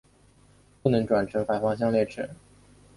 不能转乘反方向列车。